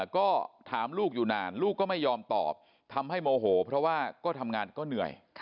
ก็ถามลูกอยู่นานลูกก็ไม่ยอมตอบทำให้โมโหเพราะว่าก็ทำงานก็เหนื่อย